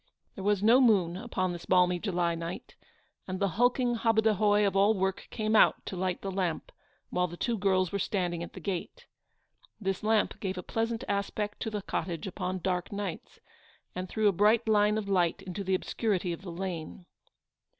There was no moon upon this balmy July night, and the hulking hobadahoy of all work came out to light the lamp while the two girls were standing at the gate. This lamp gave a pleasant aspect to the cottage upon dark nights, and threw a bright line of light into the obscurity of the lane.